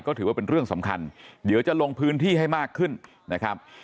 ก็ถือว่าเป็นเรื่องสำคัญเดี๋ยวจะลงพื้นที่ให้มากขึ้นนะครับ